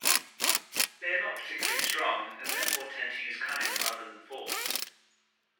They are not particularly strong, and therefore tend to use cunning rather than force.